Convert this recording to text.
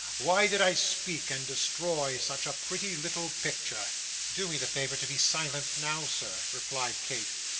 Why did I speak, and destroy such a pretty little picture?' 'Do me the favour to be silent now, sir,' replied Kate.